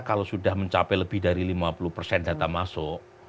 kalau sudah mencapai lebih dari lima puluh persen data masuk